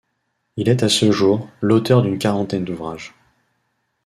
Il est à ce jour, l'auteur d'une quarantaine d'ouvrages.